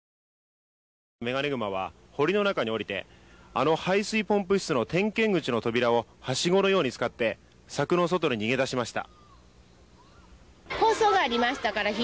メガネグマは堀の中に降りてあの排水ポンプ室の点検口の扉をはしごのように使って柵の外に逃げ出しました。